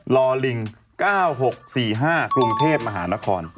ลอลิง๙๖๔๕กรุงเทพมหานคร